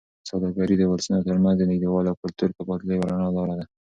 سوداګري د ولسونو ترمنځ د نږدېوالي او کلتوري تبادلې یوه رڼه لاره ده.